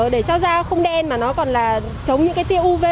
để cho da không đen mà nó còn là chống những cái tiêu uv